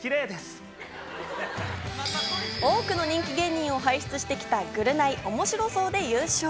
多くの人気芸人を輩出してきた『ぐるナイ』おもしろ荘で優勝。